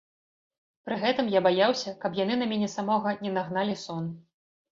Пры гэтым я баяўся, каб яны на мяне самога не нагналі сон.